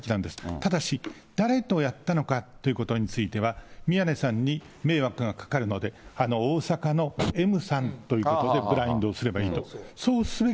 ただし、誰とやったのかっていうことについては、宮根さんに迷惑がかかるので、大阪のＭさんということでブラインドをすればいいと。